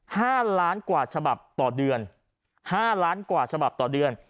ห้าล้านกว่าฉบับต่อเดือนห้าล้านกว่าฉบับต่อเดือน